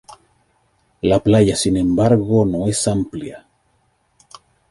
La playa, sin embargo, no es amplia.